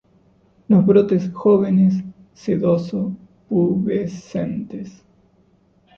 Los brotes jóvenes sedoso-pubescentes.